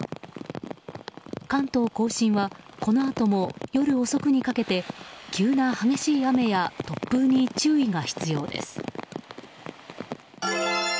関東・甲信はこのあとも夜遅くにかけて急な激しい雨や突風に注意が必要です。